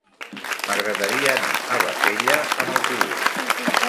M'agradaria anar a Bassella amb autobús.